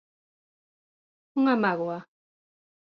Unha mágoa.